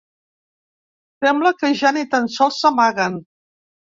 Sembla que ja ni tan sols s’amaguen.